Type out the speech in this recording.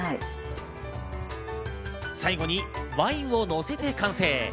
最後にワインを乗せて完成。